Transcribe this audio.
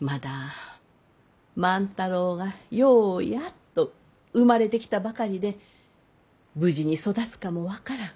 まだ万太郎がようやっと生まれてきたばかりで無事に育つかも分からん。